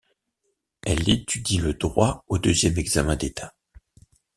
Elle étudie le droit au deuxième examen d'État.